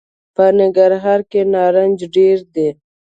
په ننګرهار کي نارنج ډېر دي .